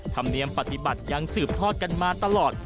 ธรรมเนียมปฏิบัติยังสืบทอดกันมาตลอด